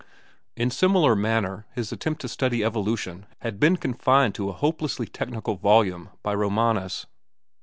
In similar manner his attempt to study evolution had been confined to a hopelessly technical volume by Romanes.